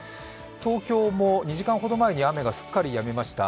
東京も２時間ほど前に雨がすっかりやみました。